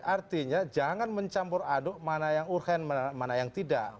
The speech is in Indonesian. artinya jangan mencampur aduk mana yang urgen mana yang tidak